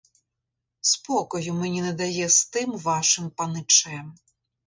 Спокою мені не дає з тим вашим паничем.